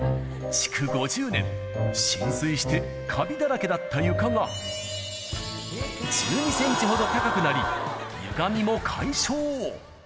築５０年、浸水してかびだらけだった床が、１２センチほど高くなり、ゆがみも解消。